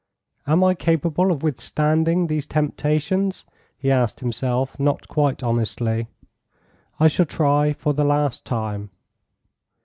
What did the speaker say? "Am I capable of withstanding these temptations?" he asked himself not quite honestly. "I shall try for the last time."